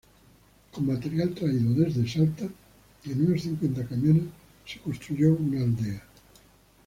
Con material traído desde Salta en unos cincuenta camiones se construyó una aldea.